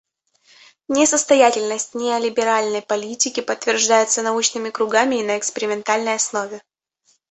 Несостоятельность неолиберальной политики подтверждается научными кругами и на экспериментальной основе.